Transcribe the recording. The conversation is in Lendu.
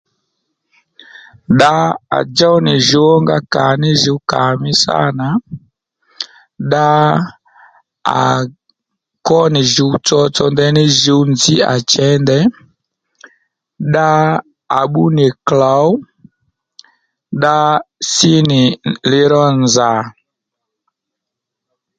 Dda à djów nì djùw ó nga kà ní jùw kà mí sâ nà dda à kwó nì djùw tsotso ndaní djùw nzǐ à chěy ndey dda à bbú nì klǒw dda sí nì liró nzà